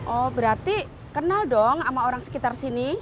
oh berarti kenal dong sama orang sekitar sini